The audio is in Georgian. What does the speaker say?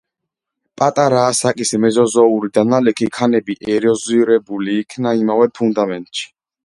პატარა ასაკის მეზოზოური დანალექი ქანები ეროზირებული იქნა იმავე ფუნდამენტში.